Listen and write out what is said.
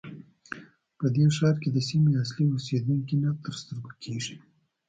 په دې ښار کې د سیمې اصلي اوسېدونکي نه تر سترګو کېږي.